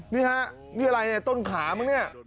นี่ฮะนี่อะไรเนี่ยต้นขามั้งเนี่ย